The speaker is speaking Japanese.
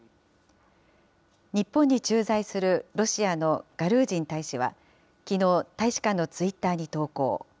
日本に駐在するロシアのガルージン大使はきのう、大使館のツイッターに投稿。